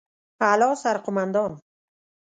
اعلى سرقومندان